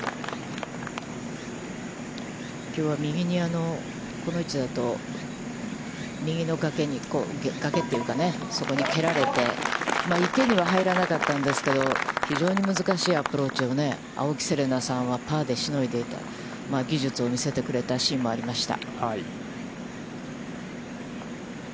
きょうは右に、右の崖というかね、そこに蹴られて、池には入らなかったんですけれども、非常に難しいアプローチを、青木瀬令奈さんはパーでしのいでいた、技術を見せてくれたシーンもありました。